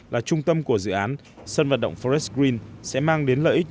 là trung tâm của dự án sân vận động forex green sẽ mang đến lợi ích